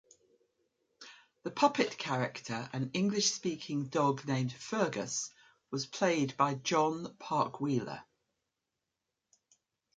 The puppet-character, an English-speaking dog named Fergus, was played by Jon Park-Wheeler.